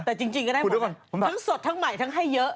แต่จริงก็ได้หมดทั้งสดทั้งใหม่ทั้งให้เยอะ